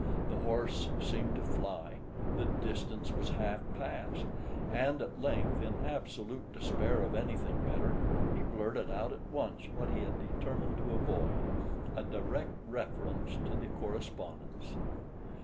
The horse seemed to fly—the distance was half past—and at length, in absolute despair of anything better, he blurted out at once what he had determined to avoid—a direct reference to the correspondence.